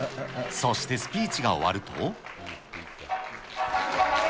そして、スピーチが終わると。